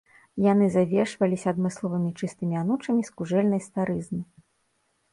Яны завешваліся адмысловымі чыстымі анучамі з кужэльнай старызны.